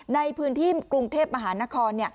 ในพื้นที่กรุงเทพมหานคร